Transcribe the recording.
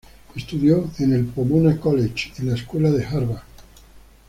Estudió en el Pomona College y la escuela de Harvard.